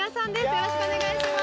よろしくお願いします。